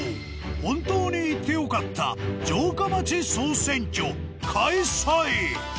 本当に行って良かった城下町総選挙開催！